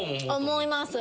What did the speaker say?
思います。